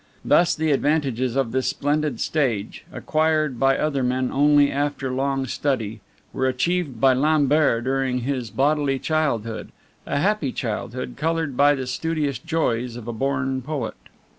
Thus, the advantages of this splendid stage, acquired by other men only after long study, were achieved by Lambert during his bodily childhood: a happy childhood, colored by the studious joys of a born poet.